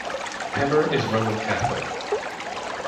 Hemmer is Roman Catholic.